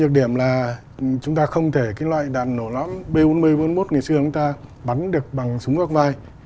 nhược điểm là chúng ta không thể cái loại đạn nổ lõm b bốn mươi b bốn mươi một ngày xưa chúng ta bắn được bằng súng góc vai